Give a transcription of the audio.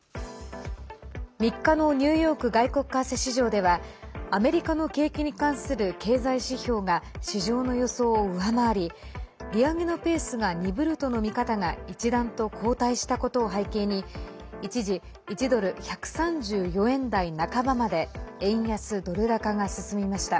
３日のニューヨーク外国為替市場ではアメリカの景気に関する経済指標が市場の予想を上回り利上げのペースが鈍るとの見方が一段と後退したことを背景に一時１ドル＝１３４円台半ばまで円安ドル高が進みました。